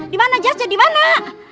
dimana jasnya dimana